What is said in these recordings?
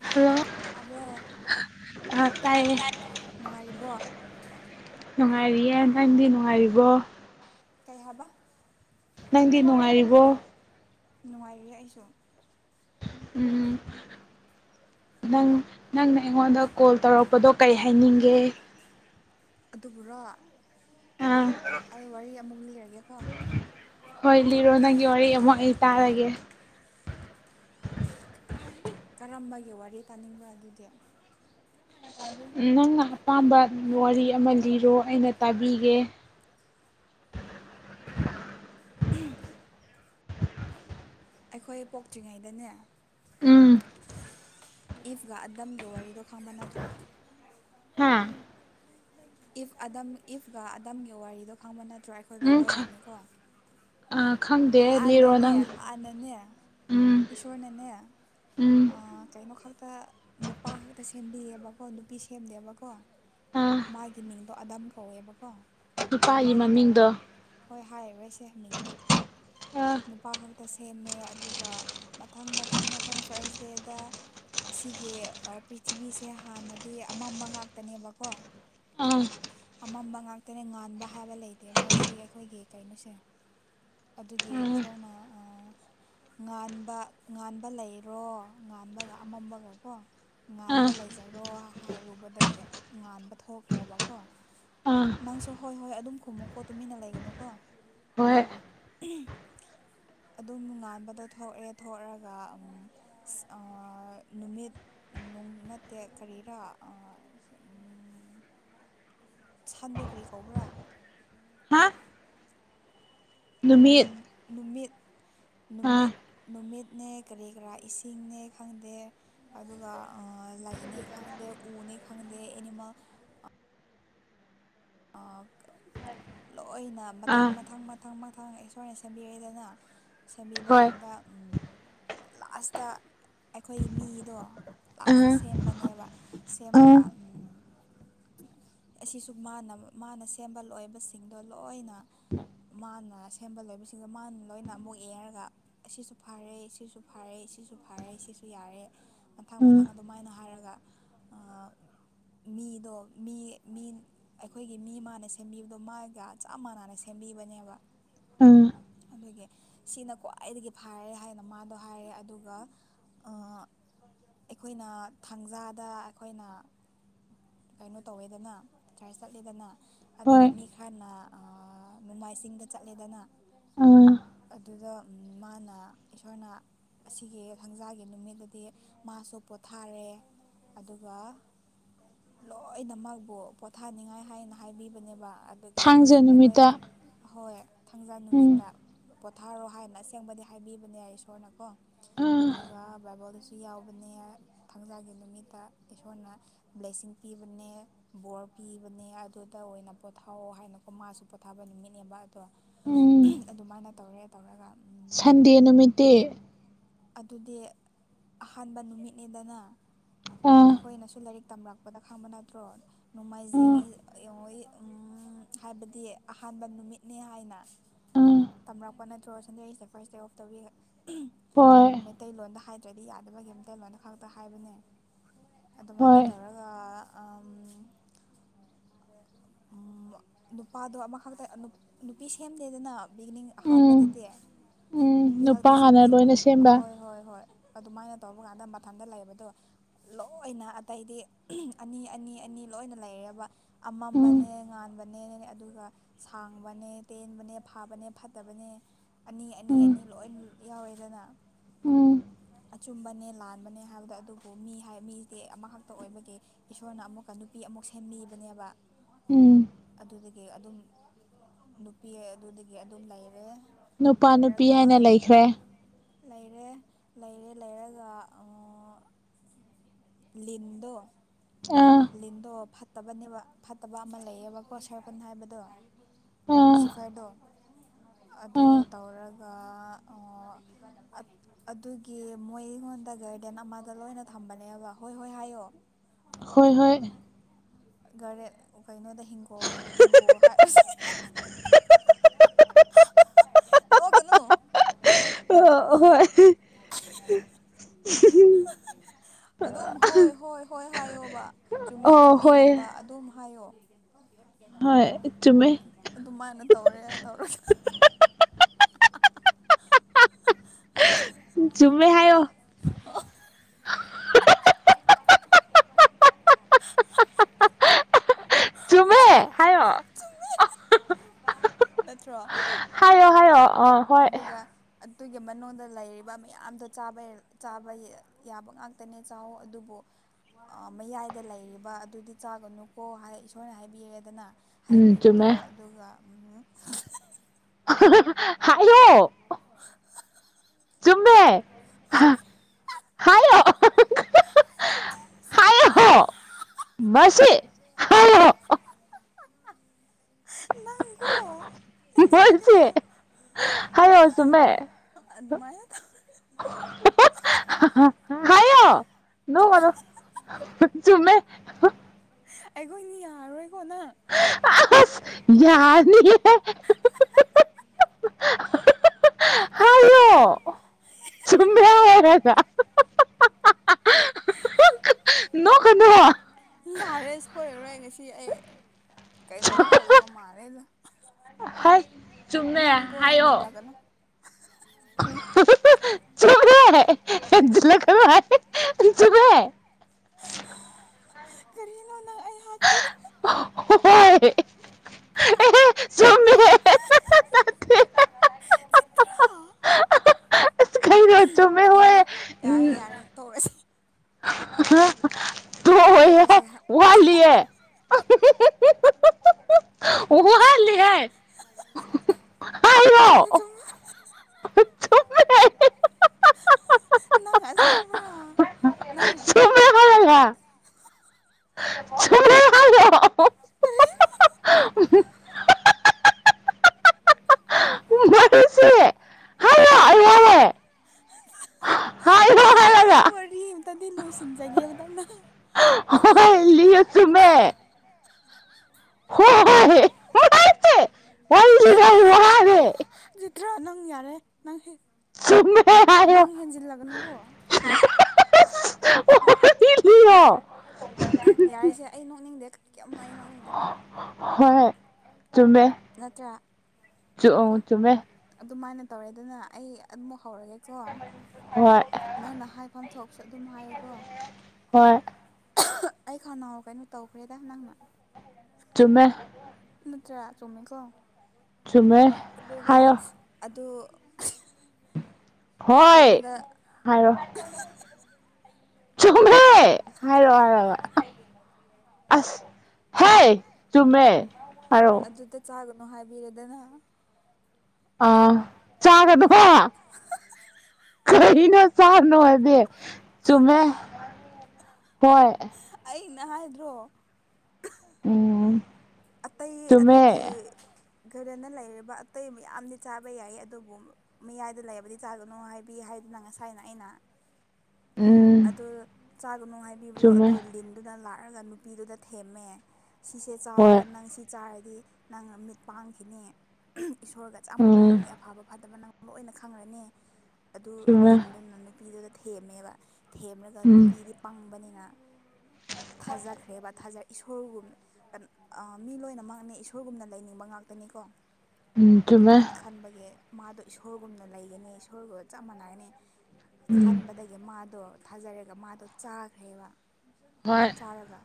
Hello ꯌꯥꯕ꯭ꯔꯣ ꯑꯥ ꯇꯥꯏꯌꯦ ꯅꯨꯡꯉꯥꯏꯔꯤꯕꯣ ꯅꯨꯡꯉꯥꯏꯔꯤꯌꯦ ꯅꯟꯪꯗꯤ ꯅꯨꯡꯉꯥꯏꯔꯤꯕꯣ ꯀꯩ ꯍꯥꯏꯕ ꯅꯪꯗꯤ ꯅꯨꯡꯉꯥꯏꯔꯤꯕꯣ ꯅꯨꯡꯉꯥꯏꯔꯤꯦ ꯑꯩꯁꯨ ꯎ ꯅꯪ ꯅꯪꯅ ꯑꯩꯉꯣꯟꯗ ꯀꯣꯜ ꯇꯧꯔꯛꯄꯗꯣ ꯀꯩ ꯍꯥꯏꯅꯤꯡꯒꯦ ꯑꯗꯨꯕꯨꯔꯣ ꯑꯥ ꯑꯩ ꯋꯥꯔꯤ ꯑꯃꯨꯛ ꯂꯤ꯫ ꯂꯤꯔꯒꯦꯀꯣ ꯍꯣꯏ ꯂꯤꯔꯣ ꯅꯪꯒꯤ ꯋꯥꯔꯤ ꯑꯃꯨꯛ ꯑꯩ ꯇꯔꯒꯦ꯫ ꯀꯔꯝꯕꯒꯤ ꯋꯥꯔꯤ ꯇꯥꯅꯤꯡꯕ ꯑꯗꯨꯗꯤ꯫ ꯅꯪꯅ ꯑꯄꯥꯝꯕ ꯋꯥꯔꯤ ꯑꯃ ꯂꯤꯔꯣ ꯑꯩꯅ ꯇꯥꯕꯤꯒꯦ꯫ ꯎꯝ ꯑꯩꯈꯣꯏ ꯄꯣꯛꯇ꯭ꯔꯤꯉꯩꯗꯅꯦ ꯎꯝ ꯏꯐꯒ ꯑꯗꯝꯒꯤ ꯋꯥꯔꯤꯗꯣ ꯈꯪꯕ ꯅꯠꯇ꯭ꯔꯣ꯫ ꯍꯥꯥ ꯏꯐ ꯑꯗꯝ ꯏꯐꯒ ꯑꯗꯝꯒꯤ ꯋꯥꯔꯤꯗꯣ ꯈꯪꯕ ꯅꯠ ꯇ꯭ꯔꯥ ꯑꯩꯈꯣꯏ ꯎꯝ ꯕꫭꯏꯕꯜꯒꯤꯅꯤꯀꯣ ꯑꯥ ꯈꯪꯗꯦ ꯂꯤꯔꯣ ꯍꯥꯟꯅꯅꯦ ꯅꯪ ꯍꯥꯟꯅꯅꯦ ꯎꯝ ꯏꯁꯣꯔꯅꯅꯦ ꯎꯝ ꯑ ꯀꯩꯅꯣ ꯈꯛꯇ ꯅꯨꯄꯥ ꯈꯛꯇ ꯁꯦꯝꯕꯤꯌꯦꯕꯀꯣ ꯅꯨꯄꯤ ꯁꯦꯝꯅꯦꯕꯀꯣ ꯑꯥ ꯃꯥꯒꯤ ꯃꯤꯡꯗꯣ ꯑꯗꯝ ꯀꯧꯋꯦꯕꯀꯣ꯫ ꯅꯨꯄꯥꯒꯤ ꯑꯗꯨꯃꯥꯏꯅ ꯃꯃꯤꯡꯗꯣ ꯇꯧꯔꯒ ꯍꯣꯏ ꯍꯥꯏꯔꯣꯏꯁꯦ ꯃꯤꯡꯗꯣ ꯑꯥ ꯅꯨꯄꯥ ꯈꯛꯇ ꯁꯦꯝꯃꯦ ꯑꯗꯨꯒ ꯃꯊꯪ ꯃꯊꯪ ꯃꯊꯪ ꯐꯥꯔꯁ ꯗꯦꯗ ꯑꯁꯤꯒꯤ ꯄ꯭ꯔꯤꯊꯤꯕꯤꯁꯦ ꯍꯥꯟꯅꯗꯤ ꯑꯃꯝꯕ ꯉꯥꯛꯇꯅꯦꯕꯀꯣ꯫ ꯑꯥ ꯑꯃꯝꯕ ꯉꯥꯛꯇꯅꯦ ꯉꯥꯟꯕ ꯍꯥꯏꯕ ꯂꯩꯇꯦꯕ ꯑꯁꯤ ꯑꯩꯈꯣꯏꯒꯤ ꯀꯩꯅꯣꯁꯦ ꯑꯗꯨꯒꯤ ꯑꯥ ꯏꯁꯣꯔꯅ ꯉꯥꯟꯕ-ꯉꯥꯟꯕ ꯂꯩꯔꯣ ꯉꯥꯟꯕꯒ ꯑꯃꯝꯕꯒꯀꯣ ꯑꯥ ꯉꯥꯟꯕ ꯂꯩꯖꯔꯣ ꯍꯥꯏꯔꯨꯕꯗꯒꯤ ꯉꯥꯟꯕ ꯊꯣꯛꯈ꯭ꯔꯦꯕ꯫ ꯀꯣ ꯑꯥ ꯅꯪꯁꯨ ꯍꯣꯏ ꯍꯣꯏ ꯑꯗꯨꯝ ꯈꯨꯝꯃꯨꯀꯣ ꯇꯨꯃꯤꯟꯅ ꯂꯩꯒꯅꯨꯀꯣ ꯍꯣꯏ ꯑꯗꯨꯝꯉꯥꯟꯕꯗꯣ ꯊꯣꯛꯔꯦ ꯊꯣꯛꯔꯒ ꯎꯝ ꯑ ꯅꯨꯃꯤꯠ ꯅꯠꯇꯦ ꯀꯔꯤꯔꯥ ꯎꯝ ꯁꯥꯟꯗꫭ ꯀꯔꯤ ꯀꯧꯕ꯭ꯔꯥ꯫ ꯍꯥ ꯅꯨꯃꯤꯠ ꯅꯨꯃꯤꯠ ꯑꯥ ꯅꯨꯃꯤꯠ ꯅꯨꯃꯤꯠꯅꯦ ꯀꯔꯤ ꯀꯔꯥ ꯏꯁꯤꯡꯅꯦ ꯈꯪꯗꯦ ꯑꯗꯨꯒ ꯂꯩꯅꯦ ꯈꯪꯗꯦ ꯎꯅꯦ ꯈꯪꯗꯦ ꯑꯦꯅꯤꯃꯜ ꯑ ꯑꯣꯏꯅ ꯑꯥ ꯃꯊꯪ ꯃꯊꯪ ꯃ ꯃꯊꯪ-ꯃꯊꯪ ꯏꯁꯣꯔꯅ ꯁꯦꯝꯕꯤꯔꯛꯏꯗꯅ ꯁꯦꯝꯕꯤꯕ ꯍꯣꯏ ꯀꯥꯟꯗ ꯎꯝ ꯂꯥꯁꯇ ꯑꯩꯈꯣꯏꯒꯤ ꯃꯤꯗꯣ ꯂꯥꯁꯇ ꯑꯥ ꯁꯦꯝꯕꯅꯦꯕ ꯑꯥ ꯁꯦꯝꯔꯒ ꯎꯝ ꯑꯁꯤꯁꯨ ꯃꯥꯟꯅ ꯃꯥꯅ ꯁꯦꯝꯕ ꯂꯣꯏꯕꯁꯤꯡꯗꯣ ꯂꯣꯏꯅ ꯃꯥꯅ ꯁꯦꯝꯕ ꯂꯣꯏꯕꯁꯤꯡꯗꯣ ꯃꯥꯅ ꯂꯣꯏꯅ ꯑꯃꯨꯛ ꯌꯦꯛꯔꯒ ꯁꯤꯁꯨ ꯐꯔꯦ ꯁꯤꯁꯨ ꯐꯔꯦ ꯁꯤꯁꯨ ꯐꯔꯦ ꯁꯤꯁꯨ ꯌꯥꯔꯦ ꯃꯊꯪ ꯎꯝ ꯃꯊꯪ ꯑꯗꯨꯃꯥꯏꯅ ꯍꯥꯏꯔꯒ ꯑ ꯃꯤꯗꯣ ꯃꯤ ꯑꯩ ꯑꯩꯈꯣꯏꯒꯤ ꯃꯤ ꯃꯥꯅ ꯁꯦꯝꯕꯤꯕꯗꯣ ꯃꯥꯒ ꯆꯞ ꯃꯥꯟꯅꯅ ꯁꯦꯝꯕꯤꯕꯅꯦꯕ꯫ ꯑꯥ ꯑꯗꯨꯒꯤ ꯁꯤꯅ ꯈ꯭ꯋꯥꯏꯗꯒꯤ ꯐꯔꯦ ꯍꯥꯏꯅ ꯃꯥꯗꯣ ꯍꯥꯏꯔꯦ ꯑꯗꯨꯒ ꯑ ꯑꯩꯈꯣꯏꯅ ꯊꯥꯡꯖꯥꯗ ꯑꯩꯈꯣꯏꯅ ꯀꯩꯅꯣ ꯇꯧꯋꯦꯗꯅ ꯆꯔꯆ ꯆꯠꯂꯦꯗꯅ ꯑꯗꯨꯒ ꯍꯣꯏ ꯃꯤ ꯈꯔꯅ ꯑ ꯅꫭꯡꯃꯥꯏꯖꯤꯡꯗ ꯆꯠꯂꯦꯗꯅ ꯑꯥ ꯑꯗꯨ ꯑꯗꯨꯗ ꯎꯝ ꯃꯥꯅ ꯏꯁꯣꯔꯅ ꯑꯁꯤꯒꯤ ꯊꯥꯡꯖꯥꯒꯤ ꯅꯨꯃꯤꯠꯇꯗꯤ ꯃꯥꯁꯨ ꯄꯣꯊꯥꯔꯦ ꯑꯗꯨꯒ ꯂꯣꯏꯅꯃꯛꯕꯨ ꯄꯣꯊꯥꯅꯤꯡꯉꯥꯏ ꯍꯥꯏꯅ ꯍꯥꯏꯕꯤꯕꯅꯦꯕ ꯑ ꯑꯗꯨꯒꯤ ꯊꯥꯡꯖ ꯑꯩꯈꯣꯏ ꯅꯨꯃꯤꯠꯇ ꯍꯣꯏ ꯊꯥꯡꯖꯥ ꯎꯝ ꯅꯨꯃꯤꯠꯇ꯫ ꯄꯣꯊꯥꯔꯣ ꯍꯥꯏꯅ ꯑꯁꯦꯡꯕꯗꯤ ꯍꯥꯏꯕꯤꯕꯅꯦ ꯌꯥꯏ ꯏꯁꯣꯔꯅꯀꯣ꯫ ꯑꯥ ꯑꯗꯨꯒ ꯕ꯫ ꯑꯗꯨ ꯌꯥꯎꯕꯅꯦ ꯊꯥꯡꯖꯥꯒꯤ ꯅꯨꯃꯤꯠꯇ ꯏꯁꯣꯔꯅ ꯕ꯭ꯂꯦꯁꯤꯡ ꯄꯤꯕꯅꯦ ꯕꯣꯔ ꯄꯤꯕꯅꯦ ꯑꯗꯨꯗ ꯑꯣꯏꯅ ꯄꯣꯊꯥꯑꯣ ꯍꯥꯏꯅꯀꯣ ꯃꯥꯁꯨ ꯄꯣꯊꯥꯕ ꯅꯨꯃꯤꯠꯅꯦꯕ ꯑꯗꯣ꯫ ꯎꯝ ꯑꯗꯨꯃꯥꯏꯅ꯫ ꯇꯧꯔꯦ ꯇꯧꯔꯒ꯫ ꯁꯟꯗꯦ ꯅꯨꯃꯤꯠꯇꯤ꯫ ꯑꯗꯨꯗꯤ ꯑꯍꯥꯟꯕ ꯅꯨꯃꯤꯠꯅꯤꯗꯅ꯫ ꯑꯥ ꯑꯩꯈꯣꯏꯅꯁꯨ ꯂꯥꯏꯔꯤꯛ꯫ ꯇꯝꯔꯛꯄꯗ ꯈꯪꯕ ꯅꯠꯇ꯭ꯔꯣ ꯑꯥ ꯅꯣꯡꯃꯥꯏꯖꯤꯡꯡꯉ ꯍꯥꯏꯕꯗꯤ ꯑꯍꯥꯟꯕ ꯅꯨꯃꯤꯠꯅꯦ ꯍꯥꯏꯅ ꯑꯥ ꯇꯝꯔꯛꯄ ꯅꯠꯇ꯭ꯔꯣ ꯁꯟꯗꯦꯁꯦ ꯐꯥꯔꯁ ꯗꯦ ꯑꯣꯐ ꯇꯧꯕꯤ꯫ ꯍꯣꯏ ꯃꯩꯇꯩꯂꯣꯟꯗ ꯍꯥꯏ꯫ ꯇꯔꯥꯗꯤ ꯌꯥꯗꯕ ꯀꯦꯝꯇ ꯂꯣꯏꯅ ꯈꯛꯇ ꯍꯥꯏꯕꯅꯦ꯫ ꯑꯗꯨꯃꯥꯏꯅ ꯍꯣꯏ ꯇꯧꯔꯒ꯫ ꯅꯨꯄꯥꯗꯣ ꯑꯃꯈꯛꯇ ꯅꯨꯄꯤ ꯁꯦꯝꯗꯦꯗꯅ ꯕꯤꯒꯤꯅꯤꯡ ꯎꯝ ꯑꯍꯥꯟꯕꯗꯗꯤ꯫ ꯎꯝ ꯅꯨꯄꯤ ꯅꯨꯄꯥ ꯉꯥꯛꯇ ꯍꯥꯟꯅ ꯁꯦꯝꯕꯤ ꯂꯣꯏꯅ ꯁꯦꯝꯕ ꯍꯣꯏ ꯍꯣꯏ ꯍꯣꯏ꯫ ꯑꯗꯨꯃꯥꯏꯅ ꯇꯧꯕ ꯀꯥꯟꯗ ꯃꯊꯟꯇ ꯂꯩꯔꯕꯗꯣ ꯂꯣꯏꯅ ꯑꯇꯩꯗꯤ ꯑꯅꯤ ꯑꯅꯤ ꯑꯅꯤ ꯂꯣꯏꯅ ꯂꯩꯔꯔꯕ ꯑꯃꯝꯕ꯫ ꯎꯝ ꯅꯦ ꯉꯥꯟꯕꯅꯦ ꯑꯗꯨꯒ ꯁꯥꯡꯕꯅꯦ ꯇꯦꯟꯕꯅꯦ ꯐꯥꯕꯅꯦ ꯐꯠꯇꯕꯅꯦ ꯑꯅꯤ ꯑꯅꯤ ꯎꯝ ꯑꯅꯤ ꯂꯣꯏ ꯌꯥꯎꯋꯦꯗꯅ ꯎꯝ ꯑꯆꯨꯝꯕꯅꯦ ꯂꯥꯟꯕꯅꯦ ꯍꯥꯏꯕꯗ ꯑꯗꯨꯕꯨ ꯃꯤ ꯍꯥꯏ ꯃꯤꯗꯤ ꯑꯃꯈꯛꯇ ꯑꯣꯏꯕꯒꯤ ꯏꯁꯣꯔꯅ ꯑꯃꯨꯛꯀ ꯅꯨꯄꯤ ꯑꯃꯨꯛ ꯁꯦꯝꯕꯤꯕꯅꯦꯕ꯫ ꯎꯝ ꯑꯗꯨꯗꯒꯤ ꯑꯗꯨꯝ ꯅꯨꯄꯤ ꯑꯗꯨꯗꯒꯤ ꯑꯗꯨꯝ ꯂꯩꯔꯦ꯫ ꯅꯨꯄꯥ ꯅꯨꯄꯤ ꯂꯩꯔꯒ ꯍꯥꯏꯅ ꯂꯩꯈ꯭ꯔꯦ꯫ ꯂꯩꯔꯦ ꯂꯩꯔꯦ ꯂꯩꯔꯒ ꯂꯤꯟꯗꯣ꯫ ꯑꯥ ꯂꯤꯟꯗꯣ꯫ ꯐꯠꯇꯕꯅꯦꯕ ꯐꯠ ꯐꯠꯇꯕ ꯑꯃ ꯂꯩꯌꯦꯕ ꯄ꯭ꯔꯣꯠꯁꯔꯄꯟ ꯍꯥꯏꯕꯗꯣ ꯑꯥ ꯂꯨꯁꯤꯐꯔꯗꯣ ꯑꯗꯨ ꯇꯧꯔꯒ ꯑꯗꯨꯒꯤ ꯃꯣꯏ ꯑꯩꯉꯣꯟꯗ ꯒꯥꯔꯗꯦꯟ ꯑꯃꯗ ꯂꯣꯏꯅ ꯊꯝꯕꯅꯦꯕ ꯍꯣꯏ ꯍꯣꯏ ꯍꯥꯏꯌꯣ ꯍꯣꯏ ꯍꯣꯏ ꯒꯔꯦ ꯀꯩꯅꯣꯗ ꯍꯤꯡꯒꯣ ꯍꯤꯡꯒꯣ ꯍꯥꯏ ꯅꯣꯛꯀꯅꯨ ꯑ ꯍꯣꯏ ꯑꯗꯨꯝ ꯍꯣꯏ ꯍꯣꯏ ꯍꯣꯏ ꯍꯥꯏꯌꯣꯕ ꯆꯨꯝꯃꯤ ꯑꯣ ꯍꯣꯏ ꯆꯨꯝꯃꯤꯒꯨꯝꯕ ꯑꯗꯨꯝ ꯍꯥꯏꯑꯣ ꯍꯣꯏ ꯆꯨꯝꯃꯦ ꯇꯧꯔꯦ ꯇꯧꯔꯦ ꯆꯨꯝꯃꯦ ꯍꯥꯏꯌꯣ ꯆꯨꯝꯃꯦ [unintelligible] ꯍꯥꯏꯌꯣ ꯅꯠꯇ꯭ꯔꯣ ꯍꯥꯏꯌꯣ ꯍꯥꯏꯌꯣ ꯑ ꯍꯣꯏ ꯑꯗꯨꯒ ꯑꯗꯨꯒꯤ ꯃꯅꯨꯡꯗ ꯂꯩꯔꯤꯕ ꯃꯌꯥꯝꯗ ꯆꯥꯕ ꯌꯥꯕ ꯉꯥꯛꯇꯅꯦ ꯆꯥꯑꯣ ꯑꯗꯨꯕꯨ ꯃꯌꯥꯏꯗ ꯂꯩꯔꯤꯕ ꯑꯗꯨꯗꯤ ꯆꯥꯒꯅꯨꯀꯣ ꯍꯥꯏ ꯏꯁꯣꯔꯅ ꯍꯥꯏꯕꯤꯔꯦꯗꯅ ꯎꯝ ꯍꯥꯏꯕꯤꯕꯗꯣ ꯆꯨꯝꯃꯦ ꯑꯗꯨꯒ ꯎꯝ [unintelligible] ꯍꯥꯏꯌꯣ ꯆꯨꯝꯃꯦ ꯍꯥꯏꯌꯣ ꯃꯁꯦ ꯍꯥꯏꯌꯣ ꯅꯪꯀꯣ ꯃꯁꯤ ꯍꯦꯟꯖꯤꯜꯂꯛꯀꯅꯣ ꯍꯥꯏꯌꯣ ꯆꯨꯝꯃꯦ ꯑꯗꯨꯃꯥꯏꯅ ꯇꯧ ꯍꯥꯏꯌꯣ ꯅꯣꯛꯀꯅꯣ ꯆꯨꯝꯃꯦ ꯑ ꯑꯩꯈꯣꯏꯅꯤ ꯌꯔꯔꯣꯏ ꯑꯁ ꯌꯥꯅꯤꯌꯦ ꯍꯥꯏꯌꯣ ꯆꯤꯇ꯭ꯔꯥ ꯆꯨꯝꯃꯦ ꯍꯥꯏꯔꯒ ꯅꯣꯛꯀꯅꯣ ꯌꯥꯔꯦ ꯁꯣꯏꯔꯔꯣꯏ ꯉꯥꯁꯤ ꯁꯤ ꯑꯩ ꯀꯩꯅꯣꯝꯃ ꯊꯣꯛꯇꯕ ꯃꯥꯜꯂꯦꯗ ꯍꯩ ꯆꯨꯝꯃꯦ ꯅꯪꯀꯣ ꯍꯥꯏꯌꯣ ꯍꯦꯟꯖꯤꯜꯂꯛꯀꯅꯣ ꯆꯨꯝꯃꯦ ꯍꯦꯟꯖꯤꯜꯂꯛꯀꯅꯣ ꯍꯥꯏꯌꯦ ꯆꯨꯝꯃꯦ ꯀꯔꯤꯅꯣ ꯅꯪ ꯑꯩ ꯍꯥꯥꯠꯀꯦꯔ ꯍꯣꯏ ꯑꯦ ꯆꯨꯝꯃꯦ ꯅꯠꯇꯦ ꯆꯤꯠꯇ꯭ꯔꯥ ꯑꯁ ꯀꯩꯅꯣ ꯆꯨꯝꯃꯦ ꯍꯣꯏ ꯌꯔꯦ ꯌꯔꯦ ꯎꯝ ꯌꯥꯔꯦ ꯇꯧꯔꯁꯤ ꯇꯣꯛꯑꯣꯏꯌꯦ ꯇꯣꯛꯑꯁꯦ ꯍꯥꯏ ꯋꯥꯠꯂꯤꯌꯦ ꯋꯥꯠꯂꯤꯍꯩ ꯆꯨꯝꯃꯦ ꯆꯨꯃꯃꯦ ꯆꯨꯝꯃꯦ ꯅꯪ ꯑꯁꯦꯡꯕꯔ꯭ꯥ ꯅꯪ ꯜꯂ ꯎ ꯃꯔꯨꯞꯁꯦ ꯍꯥꯏꯌꯣ ꯑꯩ ꯋꯥꯔꯦ ꯍꯥꯏꯌꯣ ꯑꯩ ꯑꯩ ꯍꯥꯏꯔꯒ ꯋꯥꯅꯤ ꯇꯗꯤ ꯂꯣꯏꯁꯤꯟꯖꯒꯦꯕ ꯅꯅ ꯍ ꯂꯑꯣ ꯁꯨꯃꯦ ꯍ ꯦ ꯅꯠꯇ꯭ꯔꯥ ꯅꯪ ꯌꯥꯔꯦ ꯅꯪ ꯁꯃꯦꯣ ꯅꯪ ꯍꯦꯟꯖꯤꯜꯂꯒꯅꯨꯀꯣ ꯉꯣ ꯌꯥꯔꯤꯁꯦ ꯑꯩ ꯅꯣꯛꯅꯤꯡꯗꯦ ꯀꯨ ꯑꯩ ꯅꯣꯛꯅꯤꯡꯗꯦ ꯍꯣꯏ ꯆꯨꯝꯃꯦ ꯅꯠꯇ꯭ꯔꯥ ꯆꯨꯝꯃꯦ ꯇꯧꯔꯦ ꯑꯗꯨꯅ ꯑꯩꯝ ꯍꯧꯔꯒꯦꯀꯣ ꯍꯣꯏ ꯅꯪꯅ ꯍꯥꯏꯐꯝ ꯊꯣꯛ ꯁ ꯑꯗꯨꯝ ꯍꯥꯏꯌꯣꯀꯣ ꯍꯣꯏ ꯑꯩ ꯈꯅꯥꯎ ꯀꯩꯅꯣ ꯇꯧꯈ꯭ꯔꯦꯗ ꯅꯪꯅ ꯆꯨꯝꯃꯦ ꯅꯠꯇ꯭ꯔꯥ ꯆꯨꯝꯃꯦꯀꯣ ꯆꯨꯝꯃꯦ ꯑꯗꯨꯒ ꯍꯥꯏꯌꯣ ꯑꯗꯨ ꯍꯣꯏ ꯀꯩꯅꯣꯗ ꯍꯥꯏꯔꯣ ꯆꯨꯝꯃꯦꯦ ꯍꯥꯏꯔꯛꯑꯣ ꯍꯥꯏꯔꯑꯣ ꯑꯁ ꯍꯦ ꯆꯨꯝꯃꯦ ꯍꯥꯏꯔꯛꯑꯣ ꯑꯗꯨꯗ ꯆꯥꯒ ꯍꯥꯏꯕꯤꯔꯦꯗꯅ ꯑꯥ ꯆꯥꯒꯗꯀꯣ ꯀꯩꯅꯣ ꯆꯥꯅꯣ ꯍꯥꯏꯗꯤ ꯆꯨꯝꯃꯦ ꯍꯣꯏ ꯑꯩꯅ ꯍꯥꯏꯗ꯭ꯔꯣ ꯎꯝ ꯑꯇꯩ ꯆꯨꯝꯃꯦ ꯑꯗꯨꯒꯤ ꯒꯥꯔꯗꯟꯅ ꯂꯩꯔꯤꯕ ꯑꯇꯩ ꯃꯌꯥꯝꯗꯤ ꯆꯥꯕ ꯌꯥꯏ ꯑꯗꯨꯕꯨ ꯃꯌꯥꯏꯗ ꯂꯩꯔꯕꯗꯤ ꯆꯥꯒꯅꯨ ꯍꯥꯏꯕꯤ ꯍꯥꯏꯗꯨꯅ ꯉꯁꯥꯏꯅ ꯑꯩꯅ ꯎꯝ ꯑꯗꯨ ꯆꯥꯒꯅꯨ ꯍꯥꯏꯕꯤꯕꯗꯣ ꯆꯨꯝꯃꯦ ꯑꯗꯨ ꯂꯤꯟꯗꯨꯅ ꯂꯥꯛ ꯍꯥꯏꯔꯒ ꯅꯨꯄꯤꯗꯨꯗ ꯊꯦꯝꯃꯦ ꯁꯤꯁꯦ ꯍꯣꯏ ꯆꯥꯎꯋꯣ ꯆꯥꯔꯗꯤ ꯅꯪ ꯃꯤꯠ ꯄꯥꯡꯈꯤꯅꯤ ꯏꯁꯣꯔꯒ ꯆꯞ ꯎꯝ ꯃꯟꯅꯔꯅꯤ ꯑꯐꯕ ꯐꯗꯕ ꯅꯪ ꯑꯣꯏꯅ ꯈꯪꯈ꯭ꯔꯅꯤ ꯑꯗꯨ ꯆꯨꯝꯃꯦ ꯂꯤꯟꯗꯨꯅ ꯅꯨꯄꯤꯗꯨꯒ ꯊꯦꯝꯃꯦꯕ ꯊꯦꯝꯂꯒ ꯎꯝ ꯅꯨꯄꯤꯗꯤ ꯄꯪꯕꯅꯤꯅ ꯊꯥꯖꯈ꯭ꯔꯦꯕꯥ ꯊꯖꯥ ꯏꯁꯣꯔꯒꯨꯝ ꯃꯤ ꯂꯣꯏꯅꯃꯛꯅꯦ ꯏꯁꯣꯔꯒꯨꯝꯅ ꯂꯩꯅꯤꯡꯕ ꯉꯥꯛꯇꯅꯤꯀꯣ ꯎꯝ ꯆꯨꯝꯃꯦ ꯑꯗꯨꯃꯥꯏꯅ ꯈꯟꯕꯒꯤ ꯃꯥꯗꯣ ꯏꯁꯣꯔꯒꯨꯝꯅ ꯂꯩꯒꯅꯤ ꯏꯁꯣꯔꯒꯨꯝ ꯆꯞ ꯃꯥꯟꯅꯒꯅꯤ ꯎꯝ ꯈꯟꯕꯗꯒꯤ ꯃꯥꯗꯣ ꯊꯥꯖꯔꯒ ꯃꯥꯗꯣ ꯆꯥꯈ꯭ꯔꯦꯕ ꯍꯣꯏ ꯆꯥꯔꯒ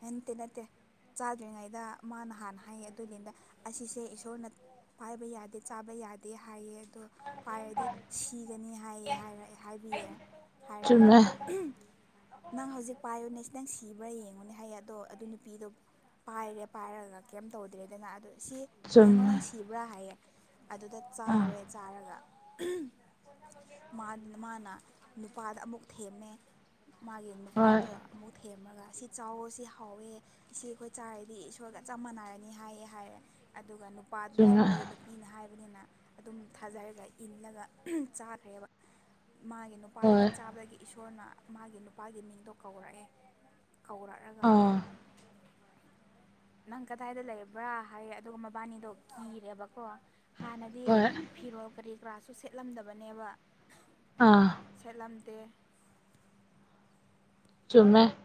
ꯅꯇꯦ ꯅꯠꯇꯦ ꯆꯥ ꯆꯗ꯭ꯔꯤꯉꯩꯗ ꯃꯥꯅ ꯍꯥꯟꯅ ꯍꯥꯏꯌꯦ ꯑꯗꯨꯏꯅꯤꯗ ꯑꯁꯤꯁꯦ ꯏꯁꯣꯔꯅ ꯄꯥꯏꯕ ꯌꯥꯗꯦ ꯆꯥꯕ ꯌꯥꯗꯦ ꯍꯥꯏꯌꯦ ꯑꯗꯣ ꯄꯥꯏꯔꯗꯤ ꯁꯤꯒꯅꯤ ꯍꯥꯏꯌꯦ ꯍꯥꯏꯔ ꯍꯥꯏꯕꯤꯌꯦ ꯍꯥꯏꯔꯒ ꯆꯨꯝꯃꯦ ꯅꯪ ꯍꯧꯖꯤꯛ ꯄꯥꯏꯌꯣꯅꯦꯁ ꯅꯪ ꯁꯤꯕ꯭ꯔꯥ ꯌꯦꯡꯉꯨꯅꯦ ꯍꯥꯏꯌꯦ ꯑꯗꯣ ꯑꯗꯨ ꯅꯨꯄꯤꯗꯨ ꯄꯥꯏꯔꯦ ꯄꯥꯏꯔꯒ ꯀꯩꯝ ꯇꯧꯗ꯭ꯔꯦꯗꯅ ꯑꯗꯨ ꯁꯤ ꯌꯦꯡꯉꯣ ꯆꯨꯝꯃꯦ ꯅꯪ ꯁꯤꯕ꯭ꯔꯥ ꯍꯥꯏꯌꯦ ꯑꯗꯨꯗ ꯑ ꯆꯥꯔꯦ ꯆꯥꯔꯒ ꯃꯥꯅ ꯅꯨꯄꯥꯗ ꯑꯃꯨꯛ ꯊꯦꯝꯃꯦ ꯃꯥꯒꯤ ꯍꯣꯏ ꯅꯨꯄꯥꯗꯣ ꯑꯃꯨꯛ ꯊꯦꯝꯃꯒ ꯑꯁꯤ ꯆꯥꯎ ꯁꯤ ꯍꯥꯎꯋꯦ ꯑꯁꯤ ꯑꯩꯈꯣꯏ ꯆꯥꯔꯗꯤ ꯏꯁꯣꯔꯒ ꯆꯞ ꯃꯥꯟꯅꯔꯅꯤ ꯍꯥꯏꯌꯦ ꯍꯥꯏꯔꯦ ꯑꯗꯨꯒ ꯅꯨꯄꯥꯗꯨꯅꯁꯨ ꯆꯨꯝꯃꯦ ꯃꯥꯒꯤ ꯅꯨꯄꯤꯅ ꯍꯥꯏꯕꯅꯤꯅ ꯑꯗꯨꯝ ꯊꯥꯖꯔꯒ ꯏꯜꯂꯒ ꯆꯥꯈ꯭ꯔꯦꯕ ꯃꯥꯒꯤ ꯅꯨꯄꯥꯗꯣ ꯍꯣꯏ ꯍꯦꯛ ꯆꯥꯕꯗꯒꯤ ꯏꯁꯣꯔꯅ ꯃꯥꯒꯤ ꯅꯨꯄꯥꯒꯤ ꯃꯤꯡꯗꯣ ꯀꯧꯔꯛꯑꯦ ꯀꯧꯔꯛꯂꯒ ꯑꯥ ꯅꯪ ꯀꯗꯥꯏꯗ ꯂꯩꯕ꯭ꯔꯥ ꯍꯥꯏꯌꯦ ꯑꯗꯨꯒ ꯃꯕꯥꯅꯤꯗꯣ ꯀꯤꯔꯦꯕꯀꯣ ꯍꯥꯟꯅꯗꯤ ꯍꯣꯏ ꯐꯤꯔꯣꯜ ꯀꯔꯤ ꯀ꯭ꯔꯥꯁꯨ ꯁꯦꯠꯂꯝꯗꯕꯅꯦꯕ ꯑꯥ ꯁꯦꯠꯂꯝꯗꯦ ꯆꯨꯝꯃꯦ